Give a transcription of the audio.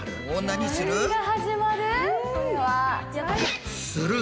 何する？